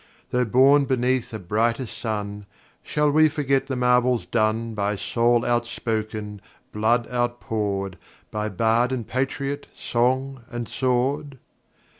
Though born beneath a brighter sun, Shall we forget the marvels done, By soul outspoken, blood outpoured, By bard and patriot, song and sword?